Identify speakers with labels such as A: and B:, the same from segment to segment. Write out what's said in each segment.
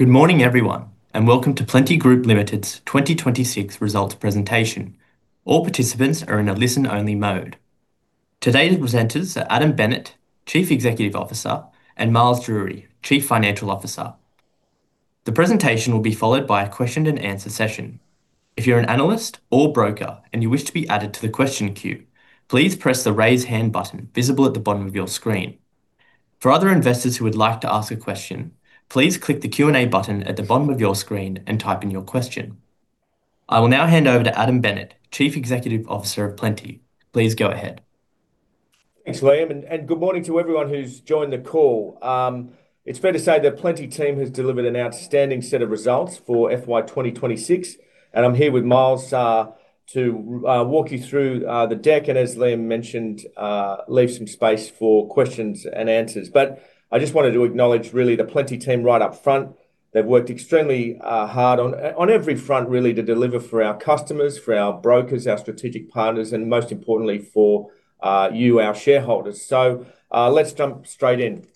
A: Good morning, everyone, and welcome to Plenti Group Limited's 2026 results presentation. All participants are in a listen-only mode. Today's presenters are Adam Bennett, Chief Executive Officer, and Miles Drury, Chief Financial Officer. The presentation will be followed by a question-and-answer session. If you're an analyst or broker and you wish to be added to the question queue, please press the Raise Hand button visible at the bottom of your screen. For other investors who would like to ask a question, please click the Q&A button at the bottom of your screen and type in your question. I will now hand over to Adam Bennett, Chief Executive Officer of Plenti. Please go ahead.
B: Thanks, Liam, good morning to everyone who's joined the call. It's fair to say that Plenti team has delivered an outstanding set of results for FY 2026. I'm here with Miles to walk you through the deck. As Liam mentioned, leave some space for questions and answers. I just wanted to acknowledge really the Plenti team right up front. They've worked extremely hard on every front really to deliver for our customers, for our brokers, our strategic partners, and most importantly for you, our shareholders. Let's jump straight in.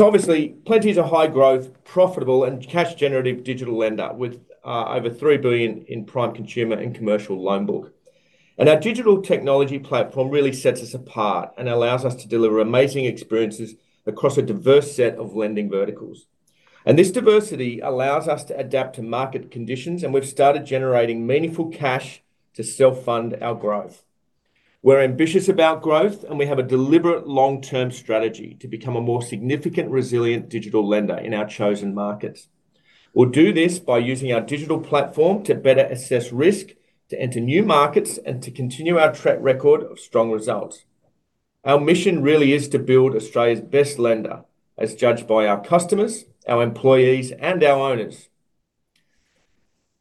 B: Obviously, Plenti is a high-growth, profitable, and cash-generative digital lender with over 3 billion in prime consumer and commercial loan book. Our digital technology platform really sets us apart and allows us to deliver amazing experiences across a diverse set of lending verticals. This diversity allows us to adapt to market conditions, and we've started generating meaningful cash to self-fund our growth. We're ambitious about growth, and we have a deliberate long-term strategy to become a more significant, resilient digital lender in our chosen markets. We'll do this by using our digital platform to better assess risk, to enter new markets, and to continue our track record of strong results. Our mission really is to build Australia's best lender, as judged by our customers, our employees, and our owners.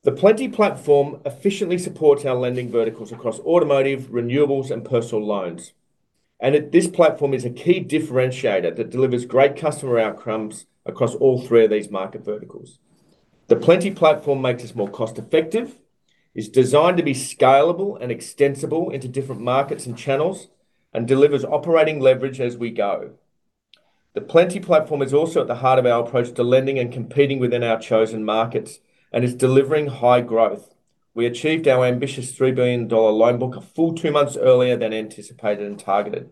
B: The Plenti platform efficiently supports our lending verticals across automotive, renewables, and personal loans. This platform is a key differentiator that delivers great customer outcomes across all three of these market verticals. The Plenti platform makes us more cost-effective, is designed to be scalable and extensible into different markets and channels, and delivers operating leverage as we go. The Plenti platform is also at the heart of our approach to lending and competing within our chosen markets and is delivering high growth. We achieved our ambitious 3 billion dollar loan book a full two months earlier than anticipated and targeted.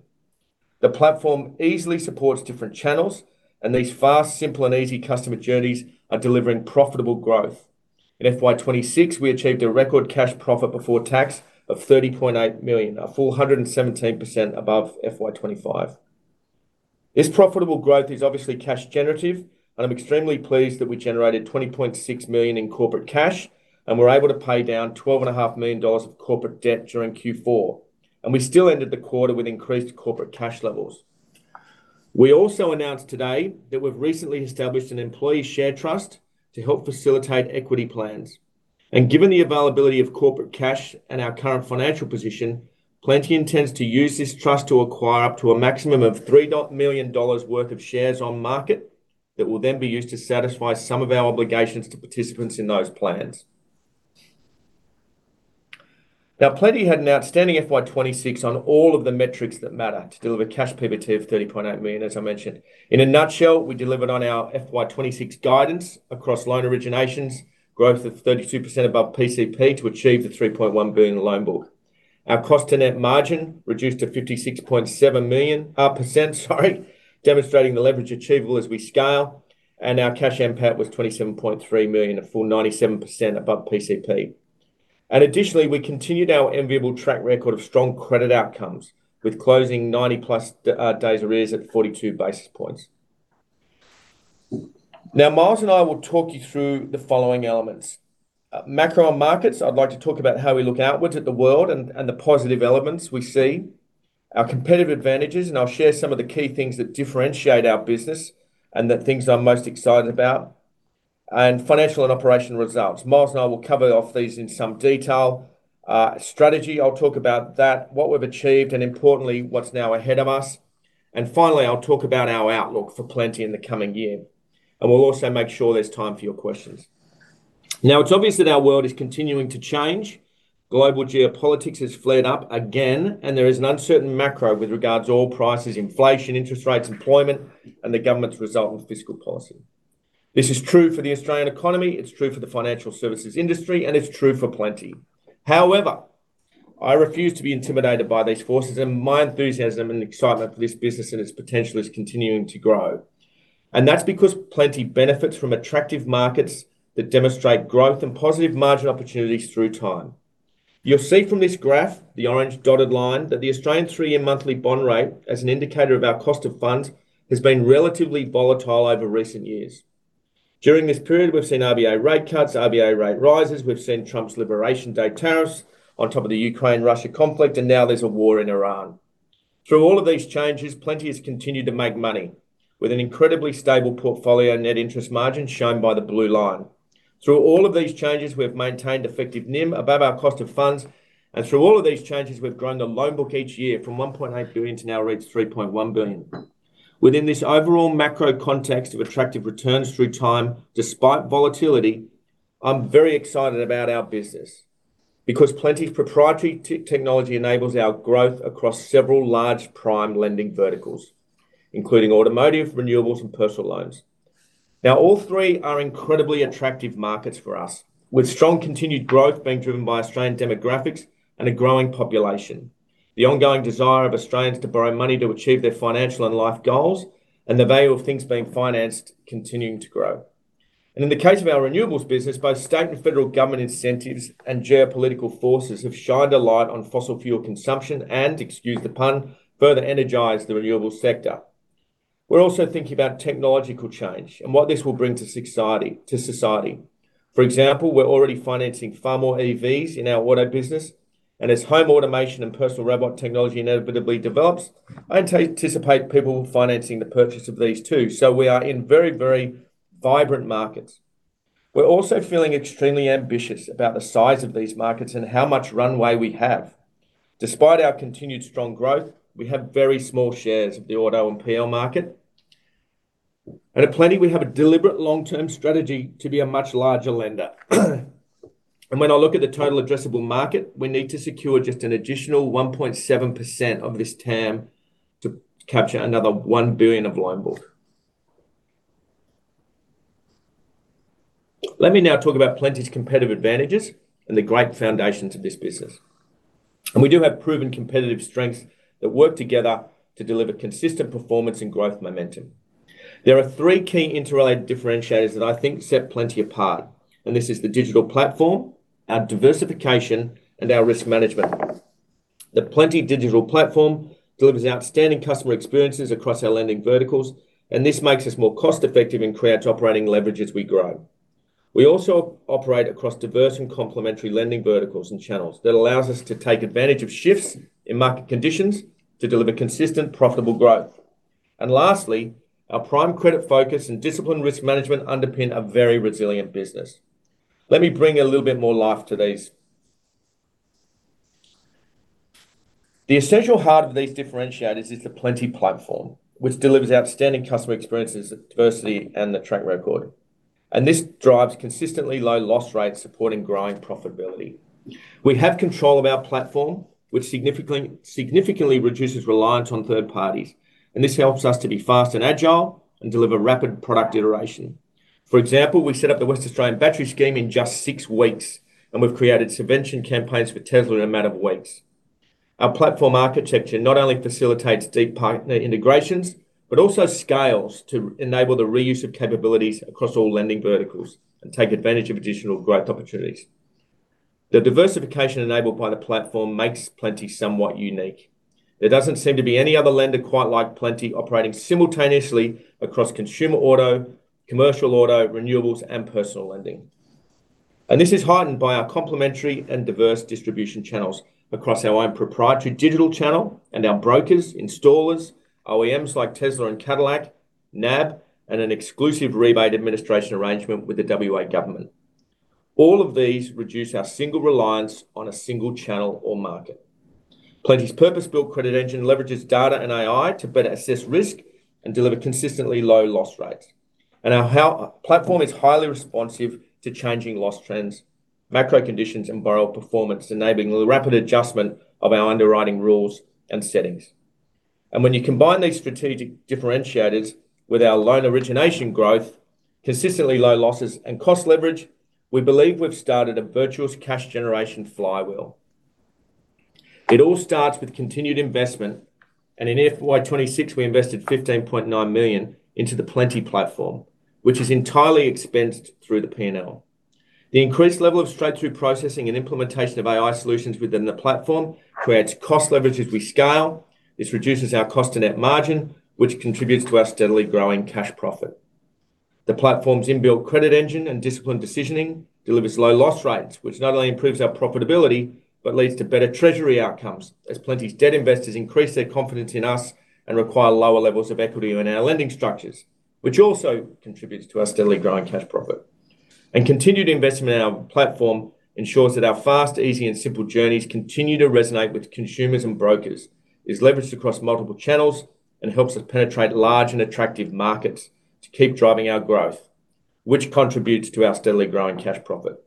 B: The platform easily supports different channels. These fast, simple, and easy customer journeys are delivering profitable growth. In FY 2026, we achieved a record cash profit before tax of 30.8 million, a full 117% above FY 2025. This profitable growth is obviously cash generative, I'm extremely pleased that we generated 20.6 million in corporate cash, and we're able to pay down 12,500,000 million dollars of corporate debt during Q4. We still ended the quarter with increased corporate cash levels. We also announced today that we've recently established an employee share trust to help facilitate equity plans. Given the availability of corporate cash and our current financial position, Plenti intends to use this trust to acquire up to a maximum of 3 million dollars worth of shares on market that will then be used to satisfy some of our obligations to participants in those plans. Plenti had an outstanding FY 2026 on all of the metrics that matter to deliver cash PBT of 30.8 million, as I mentioned. In a nutshell, we delivered on our FY 2026 guidance across loan originations, growth of 32% above PCP to achieve the 3.1 billion loan book. Our cost to net margin reduced to 56.7%, sorry, demonstrating the leverage achievable as we scale. Our cash NPAT was 27.3 million, a full 97% above PCP. Additionally, we continued our enviable track record of strong credit outcomes with closing 90-plus days arrears at 42 basis points. Now, Miles and I will talk you through the following elements. Macro markets, I'd like to talk about how we look outwards at the world and the positive elements we see, our competitive advantages, and I'll share some of the key things that differentiate our business and the things I'm most excited about, and financial and operational results. Miles and I will cover off these in some detail. Strategy, I'll talk about that, what we've achieved, and importantly, what's now ahead of us. Finally, I'll talk about our outlook for Plenti in the coming year. We'll also make sure there's time for your questions. Now, it's obvious that our world is continuing to change. Global geopolitics has flared up again, and there is an uncertain macro with regards to oil prices, inflation, interest rates, employment, and the government's resultant fiscal policy. This is true for the Australian economy, it's true for the financial services industry, and it's true for Plenti. However, I refuse to be intimidated by these forces, and my enthusiasm and excitement for this business and its potential is continuing to grow, and that's because Plenti benefits from attractive markets that demonstrate growth and positive margin opportunities through time. You'll see from this graph, the orange dotted line, that the Australian three-year monthly bond rate, as an indicator of our cost of funds, has been relatively volatile over recent years. During this period, we've seen RBA rate cuts, RBA rate rises, we've seen Trump's Liberation Day tariffs on top of the Ukraine-Russia conflict. Now there's a war in Iran. Through all of these changes, Plenti has continued to make money with an incredibly stable portfolio net interest margin shown by the blue line. Through all of these changes, we've maintained effective NIM above our cost of funds. Through all of these changes, we've grown the loan book each year from 1.8 billion to now 3.1 billion. Within this overall macro context of attractive returns through time, despite volatility, I'm very excited about our business because Plenti's proprietary technology enables our growth across several large prime lending verticals, including automotive, renewables, and personal loans. All three are incredibly attractive markets for us, with strong continued growth being driven by Australian demographics and a growing population, the ongoing desire of Australians to borrow money to achieve their financial and life goals, and the value of things being financed continuing to grow. In the case of our renewables business, both state and federal government incentives and geopolitical forces have shined a light on fossil fuel consumption and, excuse the pun, further energized the renewables sector. We're also thinking about technological change and what this will bring to society. For example, we're already financing far more EVs in our auto business, and as home automation and personal robot technology inevitably develops, I anticipate people financing the purchase of these too. We are in very, very vibrant markets. We're also feeling extremely ambitious about the size of these markets and how much runway we have. Despite our continued strong growth, we have very small shares of the auto and PL market. At Plenti, we have a deliberate long-term strategy to be a much larger lender. When I look at the total addressable market, we need to secure just an additional 1.7% of this TAM to capture another 1 billion of loan book. Let me now talk about Plenti's competitive advantages and the great foundations of this business. We do have proven competitive strengths that work together to deliver consistent performance and growth momentum. There are three key interrelated differentiators that I think set Plenti apart, this is the digital platform, our diversification, and our risk management. The Plenti platform delivers outstanding customer experiences across our lending verticals, this makes us more cost-effective and creates operating leverage as we grow. We also operate across diverse and complementary lending verticals and channels that allows us to take advantage of shifts in market conditions to deliver consistent, profitable growth. Lastly, our prime credit focus and disciplined risk management underpin a very resilient business. Let me bring a little bit more life to these. The essential heart of these differentiators is the Plenti platform, which delivers outstanding customer experiences, diversity, and the track record. This drives consistently low loss rates supporting growing profitability. We have control of our platform, which significantly reduces reliance on third parties, and this helps us to be fast and agile and deliver rapid product iteration. For example, we set up the West Australian Battery Scheme in just six weeks, and we've created subvention campaigns for Tesla in a matter of weeks. Our platform architecture not only facilitates deep partner integrations but also scales to enable the reuse of capabilities across all lending verticals and take advantage of additional growth opportunities. The diversification enabled by the platform makes Plenti somewhat unique. There doesn't seem to be any other lender quite like Plenti operating simultaneously across consumer auto, commercial auto, renewables, and personal lending. This is heightened by our complementary and diverse distribution channels across our own proprietary digital channel and our brokers, installers, OEMs like Tesla and Cadillac, NAB, and an exclusive rebate administration arrangement with the WA government. All of these reduce our single reliance on a single channel or market. Plenti's purpose-built credit engine leverages data and AI to better assess risk and deliver consistently low loss rates. Our platform is highly responsive to changing loss trends, macro conditions, and borrower performance, enabling the rapid adjustment of our underwriting rules and settings. When you combine these strategic differentiators with our loan origination growth, consistently low losses, and cost leverage, we believe we've started a virtuous cash generation flywheel. It all starts with continued investment, and in FY 2026 we invested 15.9 million into the Plenti platform, which is entirely expensed through the P&L. The increased level of straight-through processing and implementation of AI solutions within the platform creates cost leverage as we scale. This reduces our cost to net margin, which contributes to our steadily growing cash profit. The platform's inbuilt credit engine and disciplined decisioning delivers low loss rates, which not only improves our profitability but leads to better treasury outcomes as Plenti's debt investors increase their confidence in us and require lower levels of equity in our lending structures, which also contributes to our steadily growing cash profit. Continued investment in our platform ensures that our fast, easy, and simple journeys continue to resonate with consumers and brokers, is leveraged across multiple channels, and helps us penetrate large and attractive markets to keep driving our growth, which contributes to our steadily growing cash profit.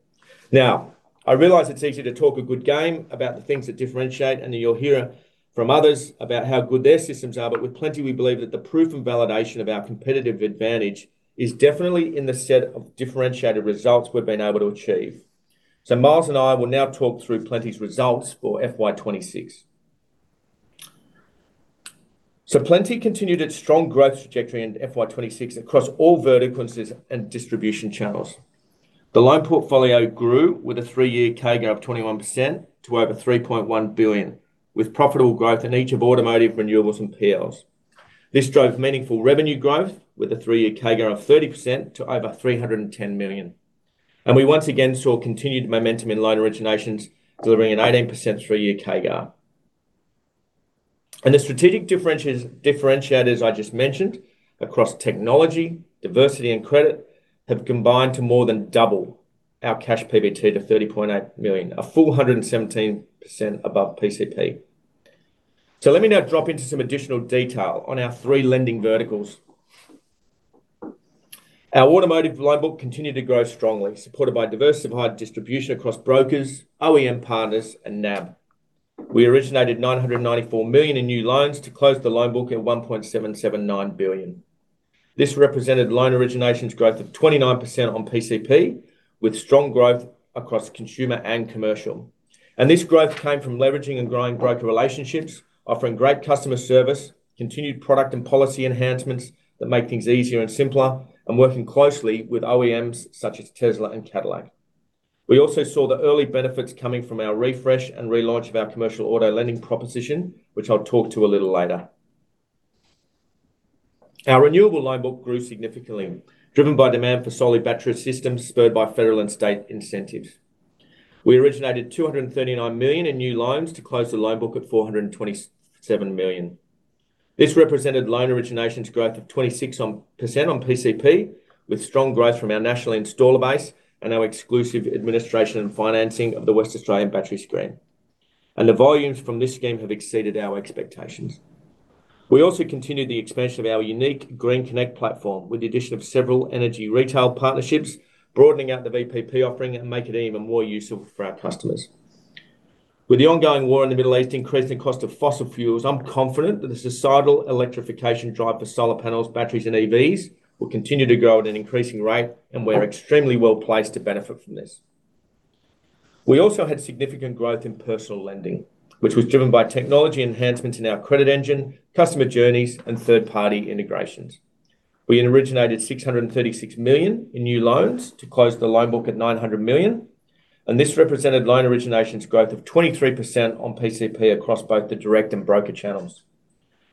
B: Now, I realize it's easy to talk a good game about the things that differentiate, and you'll hear from others about how good their systems are. But with Plenti, we believe that the proof and validation of our competitive advantage is definitely in the set of differentiated results we've been able to achieve. Miles and I will now talk through Plenti's results for FY 2026. Plenti continued its strong growth trajectory in FY 2026 across all vertical and distribution channels. The loan portfolio grew with a three-year CAGR of 21% to over 3.1 billion, with profitable growth in each of automotive, renewables, and PLs. This drove meaningful revenue growth with a three-year CAGR of 30% to over 310 million. We once again saw continued momentum in loan originations, delivering an 98% three-year CAGR. The strategic differentiators I just mentioned across technology, diversity, and credit have combined to more than double our cash PBT to 30.8 million, a 417% above PCP. Let me now drop into some additional detail on our three lending verticals. Our automotive loan book continued to grow strongly, supported by diversified distribution across brokers, OEM partners and NAB. We originated 994 million in new loans to close the loan book at 1.779 billion. This represented loan originations growth of 29% on PCP, with strong growth across consumer and commercial. This growth came from leveraging and growing broker relationships, offering great customer service, continued product and policy enhancements that make things easier and simpler, and working closely with OEMs such as Tesla and Cadillac. We also saw the early benefits coming from our refresh and relaunch of our commercial auto lending proposition, which I'll talk to a little later. Our renewable loan book grew significantly, driven by demand for solid battery systems spurred by federal and state incentives. We originated 239 million in new loans to close the loan book at 427 million. This represented loan originations growth of 26% on PCP, with strong growth from our national installer base and our exclusive administration and financing of the West Australian Battery Scheme. The volumes from this scheme have exceeded our expectations. We also continued the expansion of our unique GreenConnect platform with the addition of several energy retail partnerships, broadening out the VPP offering and make it even more useful for our customers. With the ongoing war in the Middle East increasing the cost of fossil fuels, I'm confident that the societal electrification drive for solar panels, batteries and EVs will continue to grow at an increasing rate, we're extremely well placed to benefit from this. We also had significant growth in personal lending, which was driven by technology enhancements in our credit engine, customer journeys and third-party integrations. We originated 636 million in new loans to close the loan book at 900 million, this represented loan originations growth of 23% on PCP across both the direct and broker channels.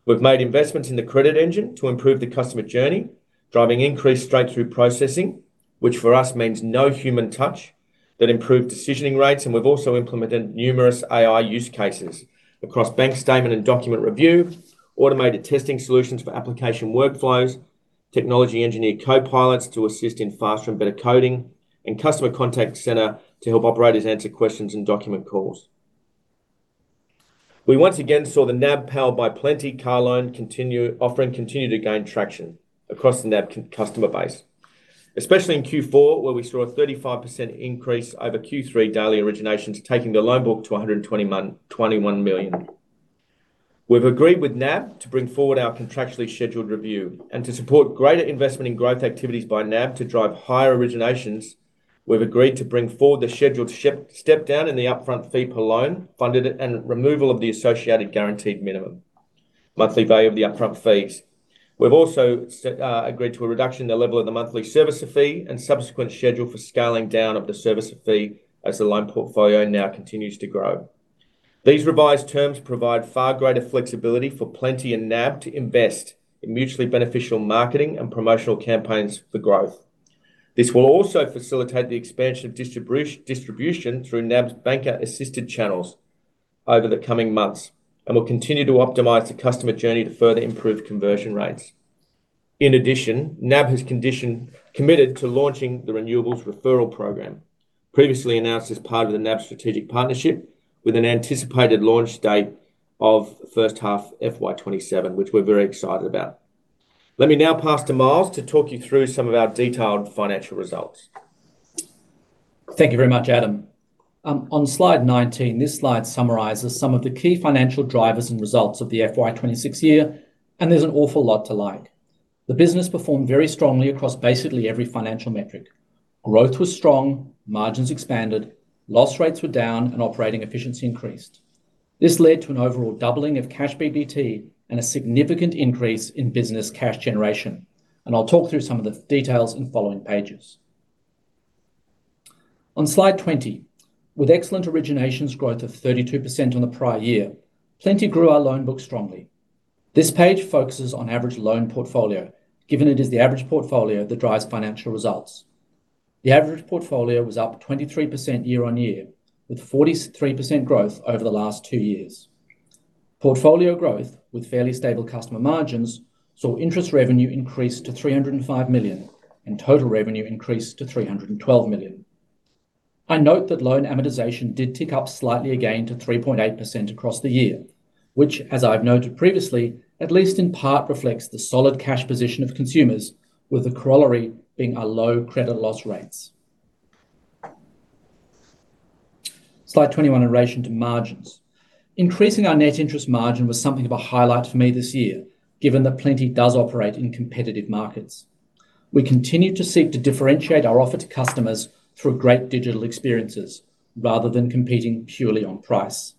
B: We've made investments in the credit engine to improve the customer journey, driving increased straight through processing, which for us means no human touch that improved decisioning rates. We've also implemented numerous AI use cases across bank statement and document review, automated testing solutions for application workflows, technology engineer co-pilots to assist in faster and better coding, and customer contact center to help operators answer questions and document calls. We once again saw the NAB powered by Plenti car loan offering continue to gain traction across the NAB customer base, especially in Q4, where we saw a 35% increase over Q3 daily originations, taking the loan book to 221 million. We've agreed with NAB to bring forward our contractually scheduled review and to support greater investment in growth activities by NAB to drive higher originations. We've agreed to bring forward the scheduled step down in the upfront fee per loan funded and removal of the associated guaranteed minimum monthly value of the upfront fees. We've also set, agreed to a reduction in the level of the monthly servicer fee and subsequent schedule for scaling down of the servicer fee as the loan portfolio now continues to grow. These revised terms provide far greater flexibility for Plenti and NAB to invest in mutually beneficial marketing and promotional campaigns for growth. This will also facilitate the expansion of distribution through NAB's banker assisted channels over the coming months and will continue to optimize the customer journey to further improve conversion rates. In addition, NAB has committed to launching the renewables referral program previously announced as part of the NAB strategic partnership with an anticipated launch date of first half FY 2027, which we're very excited about. Let me now pass to Miles to talk you through some of our detailed financial results.
C: Thank you very much, Adam. On Slide 19, this slide summarizes some of the key financial drivers and results of the FY26 year, there's an awful lot to like. The business performed very strongly across basically every financial metric. Growth was strong, margins expanded, loss rates were down and operating efficiency increased. This led to an overall doubling of cash PBT and a significant increase in business cash generation. I'll talk through some of the details in following pages. On Slide 20, with excellent originations growth of 32% on the prior year, Plenti grew our loan book strongly. This page focuses on average loan portfolio, given it is the average portfolio that drives financial results. The average portfolio was up 23% year-on-year, with 43% growth over the last two years. Portfolio growth with fairly stable customer margins saw interest revenue increase to 305 million and total revenue increase to 312 million. I note that loan amortization did tick up slightly again to 3.8% across the year, which as I've noted previously, at least in part reflects the solid cash position of consumers, with the corollary being our low credit loss rates. Slide 21 in relation to margins. Increasing our net interest margin was something of a highlight for me this year, given that Plenti does operate in competitive markets. We continue to seek to differentiate our offer to customers through great digital experiences rather than competing purely on price.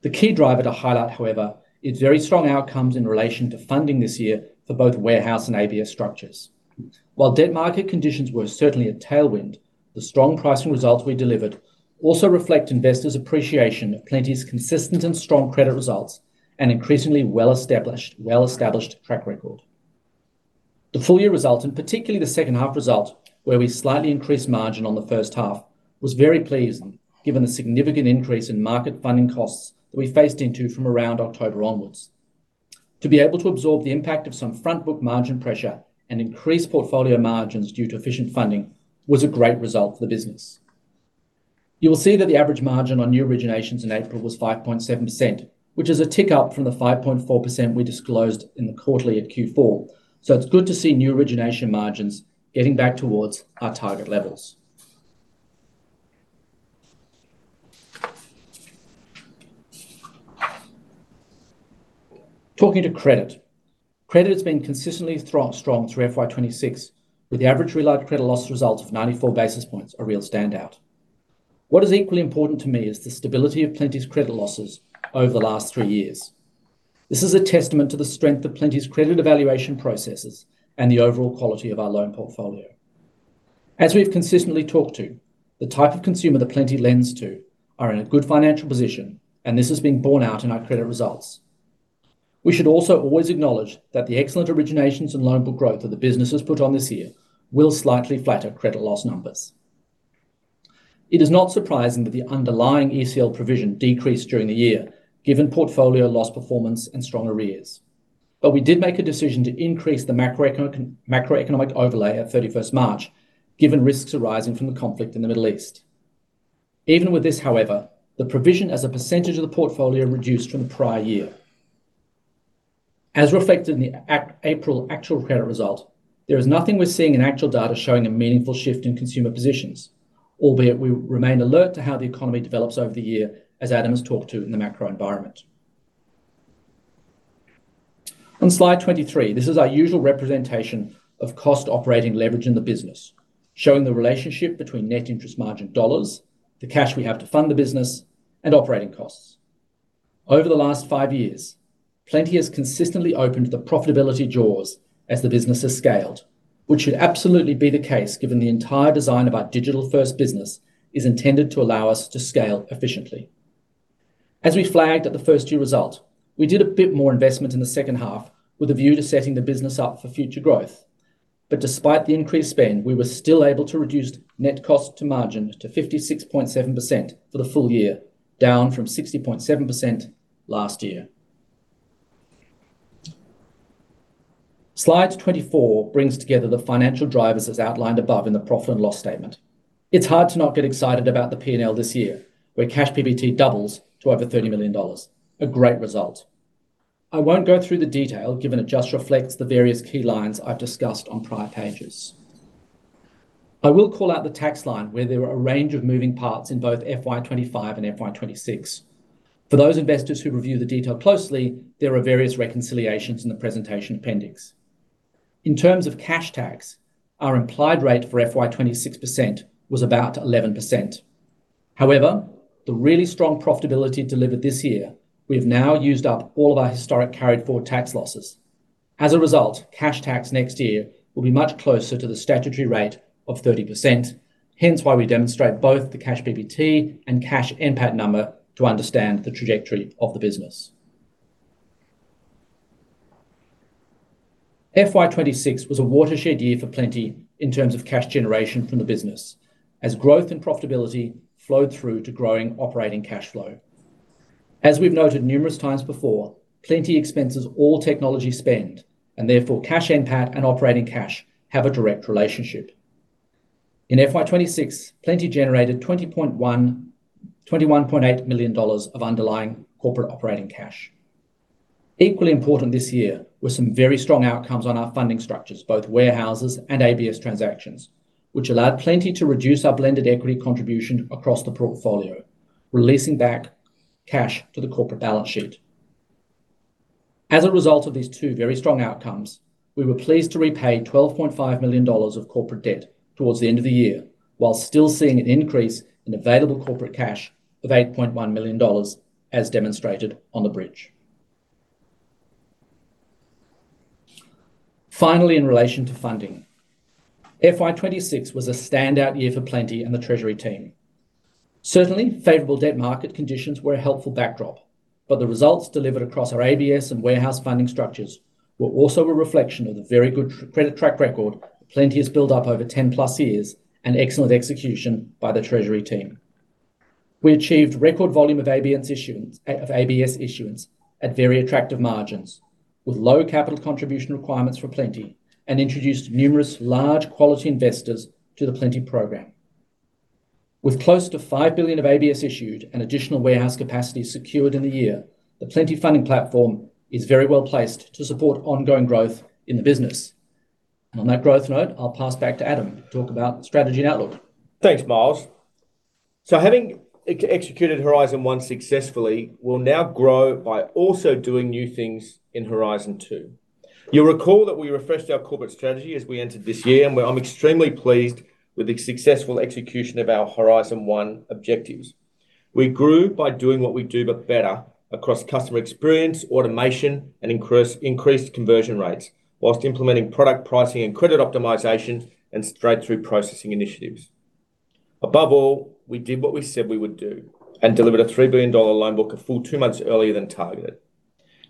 C: The key driver to highlight, however, is very strong outcomes in relation to funding this year for both warehouse and ABS structures. While debt market conditions were certainly a tailwind, the strong pricing results we delivered also reflect investors' appreciation of Plenti's consistent and strong credit results and increasingly well established track record. The full year result, and particularly the second half result, where we slightly increased margin on the first half, was very pleasing given the significant increase in market funding costs that we faced into from around October onwards. To be able to absorb the impact of some front book margin pressure and increase portfolio margins due to efficient funding was a great result for the business. You will see that the average margin on new originations in April was 5.7%, which is a tick up from the 5.4% we disclosed in the quarterly at Q4. It's good to see new origination margins getting back towards our target levels. Talking to credit. Credit has been consistently strong through FY 2026, with the average related credit loss results of 94 basis points a real standout. What is equally important to me is the stability of Plenti's credit losses over the last three years. This is a testament to the strength of Plenti's credit evaluation processes and the overall quality of our loan portfolio. As we've consistently talked to, the type of consumer that Plenti lends to are in a good financial position, and this has been borne out in our credit results. We should also always acknowledge that the excellent originations and loan book growth that the business has put on this year will slightly flatter credit loss numbers. It is not surprising that the underlying ECL provision decreased during the year, given portfolio loss performance and strong arrears. We did make a decision to increase the macroeconomic overlay at 31st March, given risks arising from the conflict in the Middle East. Even with this, however, the provision as a percentage of the portfolio reduced from the prior year. As reflected in the April actual credit result, there is nothing we're seeing in actual data showing a meaningful shift in consumer positions, albeit we remain alert to how the economy develops over the year, as Adam has talked to in the macro environment. On Slide 23, this is our usual representation of cost operating leverage in the business, showing the relationship between net interest margin dollars, the cash we have to fund the business, and operating costs. Over the last five years, Plenti has consistently opened the profitability jaws as the business has scaled, which should absolutely be the case given the entire design of our digital-first business is intended to allow us to scale efficiently. As we flagged at the first year result, we did a bit more investment in the second half with a view to setting the business up for future growth. Despite the increased spend, we were still able to reduce net cost to margin to 56.7% for the full year, down from 60.7% last year. Slide 24 brings together the financial drivers as outlined above in the profit and loss statement. It's hard to not get excited about the P&L this year, where cash PBT doubles to over 30 million dollars. A great result. I won't go through the detail given it just reflects the various key lines I've discussed on prior pages. I will call out the tax line where there were a range of moving parts in both FY 2025 and FY 2026. For those investors who review the detail closely, there are various reconciliations in the presentation appendix. In terms of cash tax, our implied rate for FY 2026 was about 11%. However, the really strong profitability delivered this year, we've now used up all of our historic carried forward tax losses. As a result, cash tax next year will be much closer to the statutory rate of 30%, hence why we demonstrate both the cash PBT and cash NPAT number to understand the trajectory of the business. FY 2026 was a watershed year for Plenti in terms of cash generation from the business, as growth and profitability flowed through to growing operating cash flow. As we've noted numerous times before, Plenti expenses all technology spend, therefore cash NPAT and operating cash have a direct relationship. In FY 2026, Plenti generated 21.8 million dollars of underlying corporate operating cash. Equally important this year were some very strong outcomes on our funding structures, both warehouses and ABS transactions, which allowed Plenti to reduce our blended equity contribution across the portfolio, releasing back cash to the corporate balance sheet. As a result of these two very strong outcomes, we were pleased to repay 12.5 million dollars of corporate debt towards the end of the year, while still seeing an increase in available corporate cash of 8.1 million dollars, as demonstrated on the bridge. Finally, in relation to funding, FY 2026 was a standout year for Plenti and the treasury team. Favorable debt market conditions were a helpful backdrop, the results delivered across our ABS and warehouse funding structures were also a reflection of the very good credit track record Plenti has built up over 10-plus years and excellent execution by the treasury team. We achieved record volume of ABS issuance at very attractive margins, with low capital contribution requirements for Plenti, introduced numerous large quality investors to the Plenti program. With close to 5 billion of ABS issued and additional warehouse capacity secured in the year, the Plenti funding platform is very well placed to support ongoing growth in the business. On that growth note, I'll pass back to Adam to talk about strategy and outlook.
B: Thanks, Miles. Having executed Horizon One successfully, we will now grow by also doing new things in Horizon Two. You will recall that we refreshed our corporate strategy as we entered this year, and where I am extremely pleased with the successful execution of our Horizon One objectives. We grew by doing what we do but better across customer experience, automation, and increased conversion rates while implementing product pricing and credit optimization and straight-through processing initiatives. Above all, we did what we said we would do and delivered an 3 billion dollar loan book a full two months earlier than targeted.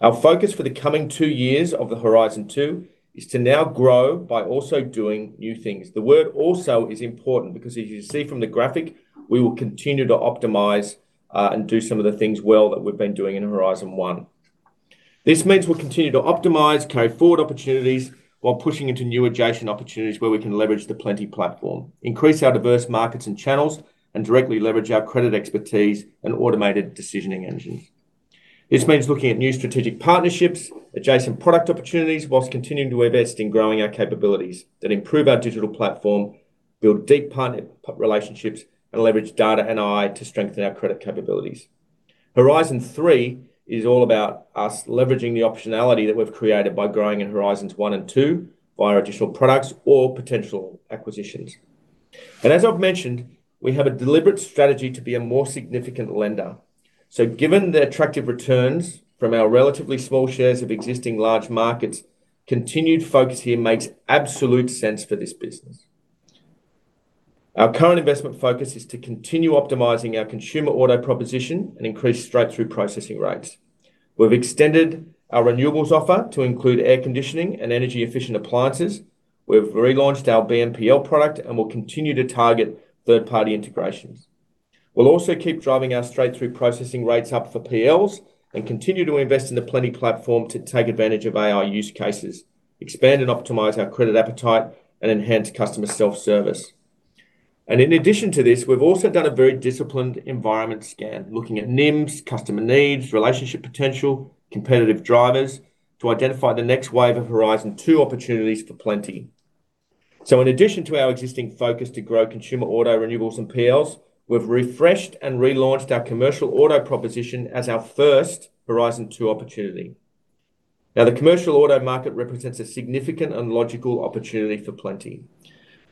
B: Our focus for the coming two years of the Horizon Two is to now grow by also doing new things. The word also is important because, as you see from the graphic, we will continue to optimize and do some of the things well that we've been doing in Horizon One. This means we'll continue to optimize carry-forward opportunities while pushing into new adjacent opportunities where we can leverage the Plenti platform, increase our diverse markets and channels, and directly leverage our credit expertise and automated decisioning engines. This means looking at new strategic partnerships, adjacent product opportunities, whilst continuing to invest in growing our capabilities that improve our digital platform, build deep partner relationships, and leverage data and AI to strengthen our credit capabilities. Horizon Three is all about us leveraging the optionality that we've created by growing in Horizon One and Two via additional products or potential acquisitions. As I've mentioned, we have a deliberate strategy to be a more significant lender. Given the attractive returns from our relatively small shares of existing large markets, continued focus here makes absolute sense for this business. Our current investment focus is to continue optimizing our consumer auto proposition and increase straight through processing rates. We've extended our renewables offer to include air conditioning and energy efficient appliances. We've relaunched our BNPL product, and we'll continue to target third-party integrations. We'll also keep driving our straight through processing rates up for PLs and continue to invest in the Plenti platform to take advantage of AI use cases, expand and optimize our credit appetite, and enhance customer self-service. In addition to this, we've also done a very disciplined environment scan looking at NIMs, customer needs, relationship potential, competitive drivers to identify the next wave of Horizon Two opportunities for Plenti. In addition to our existing focus to grow consumer auto renewables and PLs, we've refreshed and relaunched our commercial auto proposition as our first Horizon Two opportunity. The commercial auto market represents a significant and logical opportunity for Plenti.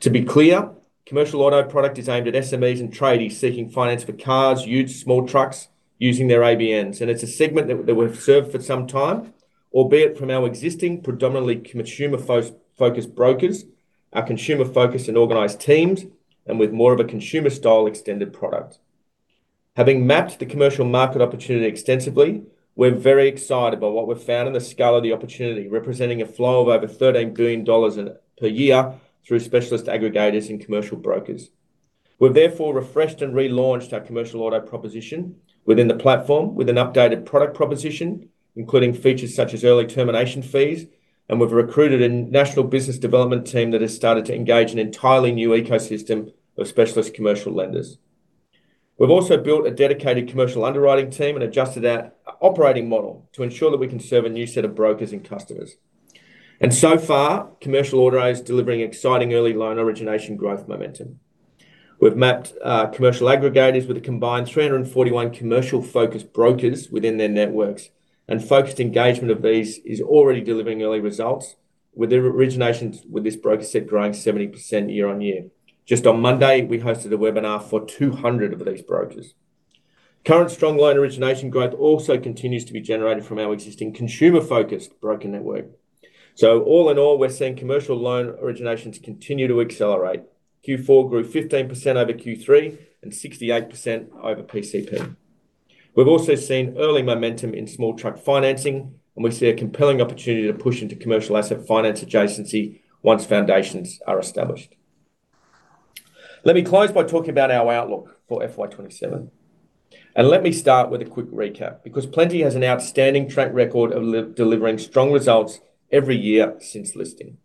B: To be clear, commercial auto product is aimed at SMEs and tradies seeking finance for cars, utes, small trucks using their ABNs. It's a segment that we've served for some time, albeit from our existing predominantly consumer-focused brokers, our consumer-focused and organized teams, and with more of a consumer-style extended product. Having mapped the commercial market opportunity extensively, we're very excited by what we've found and the scale of the opportunity, representing a flow of over 13 billion dollars per year through specialist aggregators and commercial brokers. We've therefore refreshed and relaunched our commercial auto proposition within the Plenti platform with an updated product proposition, including features such as early termination fees. We've recruited a national business development team that has started to engage an entirely new ecosystem of specialist commercial lenders. We've also built a dedicated commercial underwriting team and adjusted our operating model to ensure that we can serve a new set of brokers and customers. So far, commercial auto is delivering exciting early loan origination growth momentum. We've mapped commercial aggregators with a combined 341 commercial-focused brokers within their networks, and focused engagement of these is already delivering early results with their originations, with this broker set growing 70% year-on-year. Just on Monday, we hosted a webinar for 200 of these brokers. Current strong loan origination growth also continues to be generated from our existing consumer-focused broker network. All in all, we're seeing commercial loan originations continue to accelerate. Q4 grew 15% over Q3 and 68% over PCP. We've also seen early momentum in small truck financing, and we see a compelling opportunity to push into commercial asset finance adjacency once foundations are established. Let me close by talking about our outlook for FY 2027, and let me start with a quick recap because Plenti has an outstanding track record of delivering strong results every year since listing.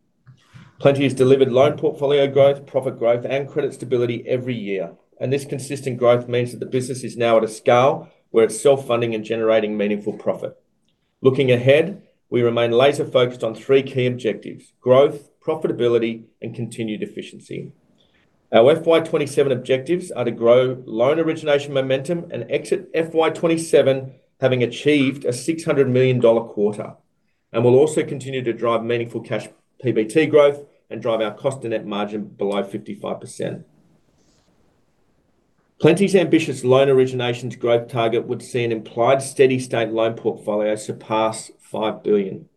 B: Plenti has delivered loan portfolio growth, profit growth, and credit stability every year, and this consistent growth means that the business is now at a scale where it's self-funding and generating meaningful profit. Looking ahead, we remain laser-focused on three key objectives: growth, profitability, and continued efficiency. Our FY 2027 objectives are to grow loan origination momentum and exit FY 2027 having achieved an 600 million dollar quarter. We'll also continue to drive meaningful cash PBT growth and drive our cost to net margin below 55%. Plenti's ambitious loan originations growth target would see an implied steady state loan portfolio surpass 5 billion.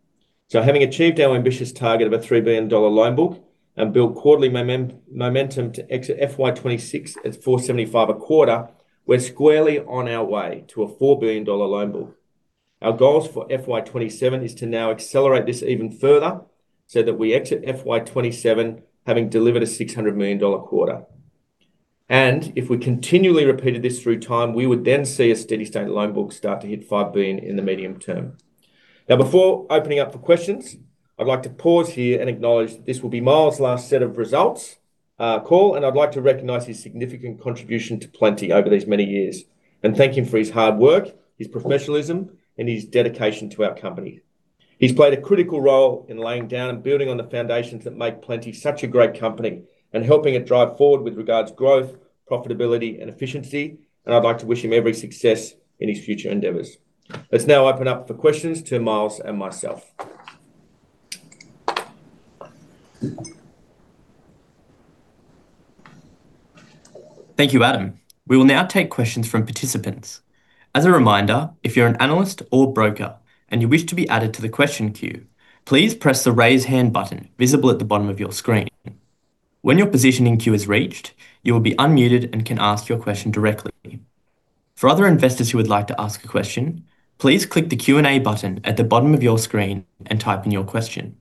B: Having achieved our ambitious target of an 3 billion dollar loan book and build quarterly momentum to exit FY 2026 at 475 a quarter, we're squarely on our way to an 4 billion dollar loan book. Our goals for FY 2027 is to now accelerate this even further so that we exit FY 2027 having delivered an 600 million dollar quarter. If we continually repeated this through time, we would then see a steady state loan book start to hit 5 billion in the medium term. Before opening up for questions, I'd like to pause here and acknowledge that this will be Miles' last set of results, call. I'd like to recognize his significant contribution to Plenti over these many years and thank him for his hard work, his professionalism, and his dedication to our company. He's played a critical role in laying down and building on the foundations that make Plenti such a great company and helping it drive forward with regards growth, profitability, and efficiency. I'd like to wish him every success in his future endeavors. Let's now open up for questions to Miles and myself.
A: Thank you, Adam. We will now take questions from participants. As a reminder, if you're an analyst or broker and you wish to be added to the question queue, please press the Raise Hand button visible at the bottom of your screen. When your positioning queue is reached, you will be unmuted and can ask your question directly. For other investors who would like to ask a question, please click the Q&A button at the bottom of your screen and type in your question.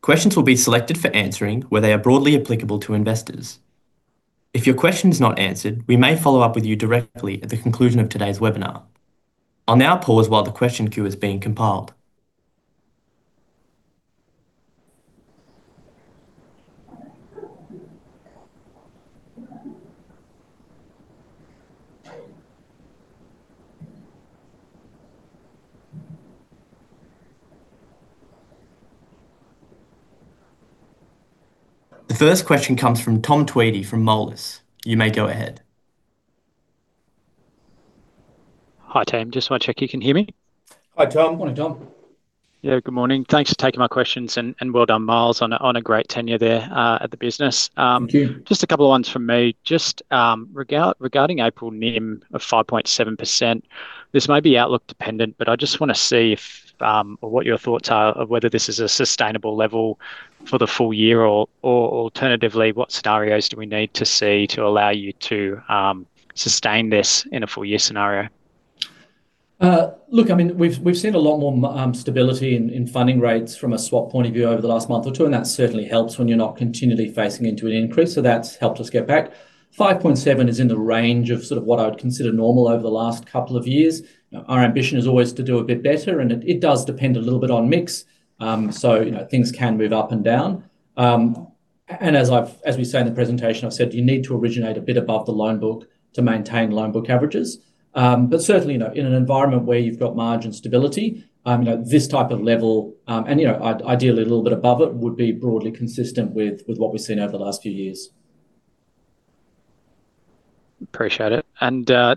A: Questions will be selected for answering where they are broadly applicable to investors. If your question is not answered, we may follow up with you directly at the conclusion of today's webinar. I'll now pause while the question queue is being compiled. The first question comes from Tom Tweedie from Moelis. You may go ahead.
D: Hi, team. Just wanna check you can hear me.
C: Hi, Tom.
B: Morning, Tom.
D: Yeah, good morning. Thanks for taking my questions, and well done, Miles, on a great tenure there at the business. A couple of ones from me. Regarding April NIM of 5.7%, this may be outlook dependent, but I just wanna see if, or what your thoughts are of whether this is a sustainable level for the full year, or alternatively, what scenarios do we need to see to allow you to sustain this in a full year scenario?
C: Look, I mean, we've seen a lot more stability in funding rates from a swap point of view over the last month or two. That certainly helps when you're not continually facing into an increase. That's helped us get back. 5.7% is in the range of sort of what I would consider normal over the last couple of years. Our ambition is always to do a bit better. It does depend a little bit on mix. You know, things can move up and down. As we say in the presentation, I've said, you need to originate a bit above the loan book to maintain loan book averages. Certainly, you know, in an environment where you've got margin stability, you know, ideally a little bit above it, would be broadly consistent with what we've seen over the last few years.
D: Appreciate it.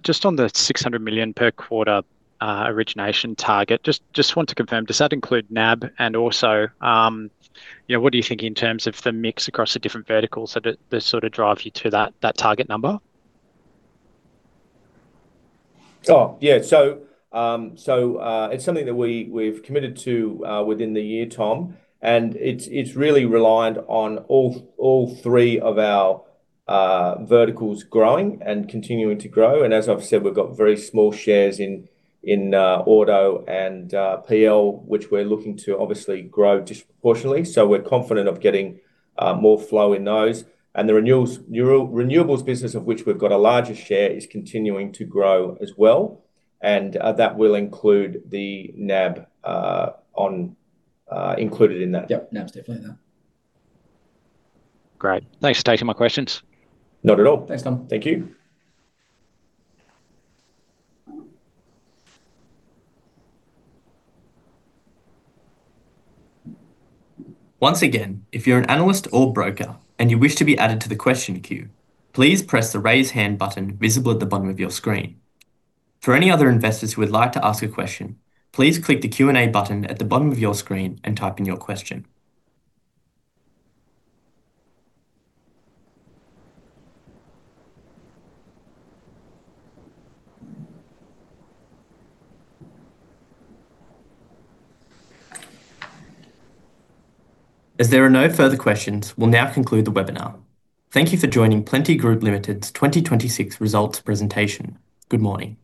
D: Just on the 600 million per quarter origination target, just want to confirm, does that include NAB? Also, you know, what do you think in terms of the mix across the different verticals that sorta drives you to that target number?
B: It's something that we've committed to within the year, Tom, and it's really reliant on all three of our verticals growing and continuing to grow. As I've said, we've got very small shares in auto and P&L, which we're looking to obviously grow disproportionately. We're confident of getting more flow in those. The renewables business, of which we've got a larger share is continuing to grow as well, and that will include the NAB on included in that.
C: Yep, NAB's definitely in that.
D: Great. Thanks for taking my questions.
B: Not at all.
C: Thanks, Tom.
B: Thank you.
A: Once again, if you're an analyst or broker, and you wish to be added to the question queue, please press the Raise Hand button visible at the bottom of your screen. For any other investors who would like to ask a question, please click the Q&A button at the bottom of your screen and type in your question. As there are no further questions, we'll now conclude the webinar. Thank you for joining Plenti Group Limited's 2026 results presentation. Good morning.